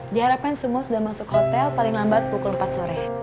diharapkan semua sudah masuk hotel paling lambat pukul empat sore